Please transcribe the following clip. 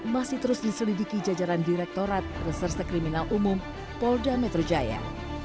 masih terus diselidiki jajaran direktorat reserse kriminal umum polda metro jaya